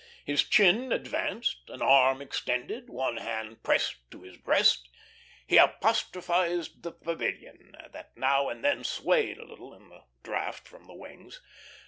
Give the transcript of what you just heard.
His chin advanced, an arm extended, one hand pressed to his breast, he apostrophised the pavilion, that now and then swayed a little in the draught from the wings.